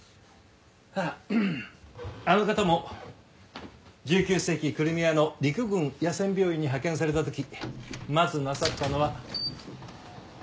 あの方も１９世紀クリミアの陸軍野戦病院に派遣された時まずなさったのは掃除でした。